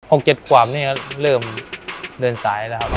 ๖๗ประมาณนี้เริ่มเดินสายแล้วครับ